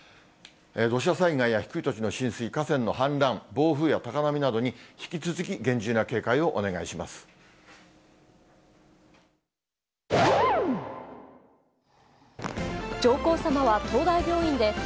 土砂災害や低い土地の浸水、河川の氾濫、暴風や高波などに、引き続き厳重な警戒をお願いします。